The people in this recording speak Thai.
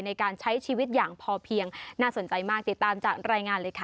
ในการใช้ชีวิตอย่างพอเพียงน่าสนใจมากติดตามจากรายงานเลยค่ะ